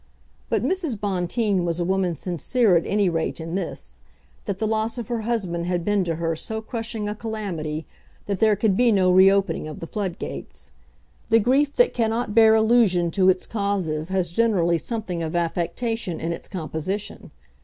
But Mrs. Bonteen was a woman sincere at any rate in this, that the loss of her husband had been to her so crushing a calamity that there could be no reopening of the floodgates. The grief that cannot bear allusion to its causes has generally something of affectation in its composition.